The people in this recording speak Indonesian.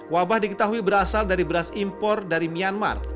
wabah diketahui berasal dari beras impor dari myanmar